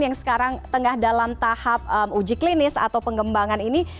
yang sekarang tengah dalam tahap uji klinis atau pengembangan ini